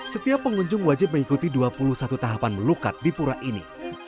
setiap pengunjung wajib mengikuti dua puluh satu tahapan melukat di pura ini